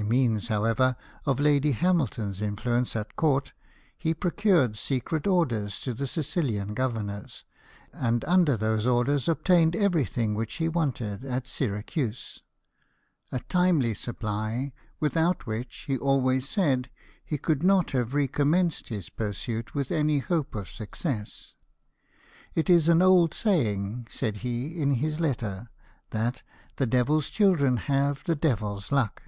By means, however, of Lady 134 LIFE OF NELSON. Hamilton's influence at Court, lie procured secret orders to the Sicilian governors ; and under those orders obtained everything which he wanted at Syracuse — a timely supply, without which, he always said, he could not have recommenced his pursuit with any hope of success. " It is an old saying," said he in his letter, " that ' the devil's children have the devil's luck.'